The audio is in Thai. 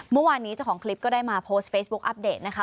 เมื่อวานนี้เจ้าของคลิปก็ได้มาโพสต์เฟซบุ๊คอัปเดตนะคะ